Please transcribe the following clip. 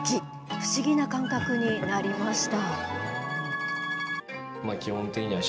不思議な感覚になりました。